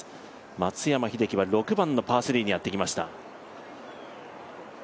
松山英樹は６番のパー３にやってきました。